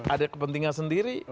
ada kepentingan sendiri